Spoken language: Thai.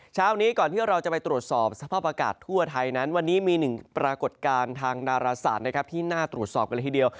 เช้านี้ก่อนที่เราจะไปตรวจสอบสภาพอากาศทั่วไทยนั้นวันนี้มีหนึ่งปรากฏการณ์ทางดาราศาสตร์นะครับที่น่าตรวจสอบกันเลยทีเดียว